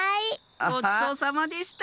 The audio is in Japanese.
ごちそうさまでした！